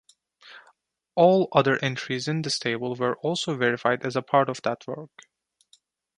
All other entries in this table were also verified as part of that work.